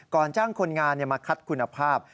จ้างคนงานมาคัดคุณภาพ